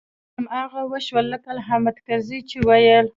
هماغه و شول لکه حامد کرزي چې ويل.